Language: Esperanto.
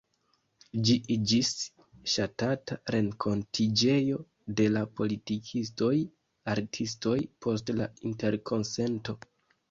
Ĝi iĝis ŝatata renkontiĝejo de la politikistoj, artistoj post la Interkonsento.